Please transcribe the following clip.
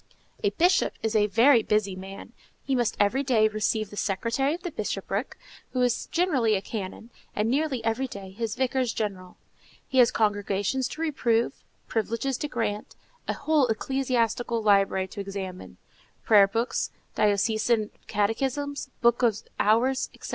A Bishop is a very busy man: he must every day receive the secretary of the bishopric, who is generally a canon, and nearly every day his vicars general. He has congregations to reprove, privileges to grant, a whole ecclesiastical library to examine,—prayer books, diocesan catechisms, books of hours, etc.